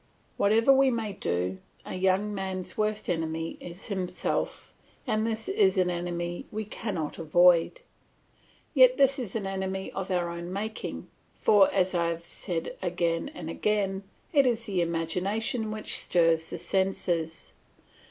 Whatever we may do, a young man's worst enemy is himself, and this is an enemy we cannot avoid. Yet this is an enemy of our own making, for, as I have said again and again, it is the imagination which stirs the senses.